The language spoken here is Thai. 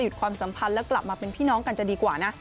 ความสัมพันธ์แล้วกลับมาเป็นพี่น้องกันจะดีกว่านะ